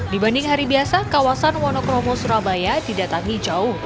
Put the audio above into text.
dibanding hari biasa kawasan wonokromo surabaya didatangi jauh